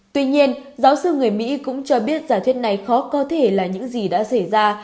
tuy nhiên giáo sư người mỹ cũng cho biết giả thuyết này khó có thể là những gì đã xảy ra